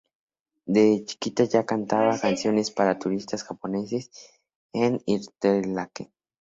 De chiquita, ya cantaba canciones para turistas japoneses en Interlaken.